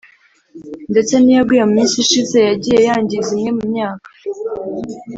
ndetse n’iyaguye mu minsi ishize yagiye yangiza imwe mu myaka